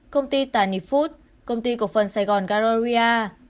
công ty tani food công ty cổ phần sài gòn galleria